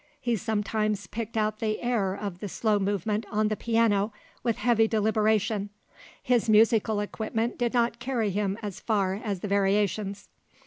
He sometimes picked out the air of the slow movement on the piano with heavy deliberation; his musical equipment did not carry him as far as the variations.